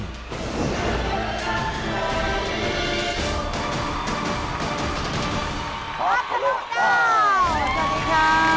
อรุณสุดท้าย